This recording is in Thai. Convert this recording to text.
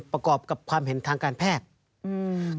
ประกอบกับความเห็นทางการแพทย์อืม